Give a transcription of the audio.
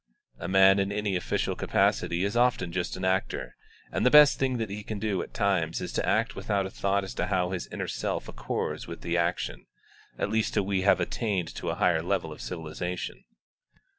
A man in any official capacity is often just an actor, and the best thing that he can do at times is to act without a thought as to how his inner self accords with the action, at least till we have attained to a higher level of civilisation.